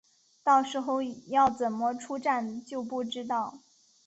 到时候要怎么出站就不知道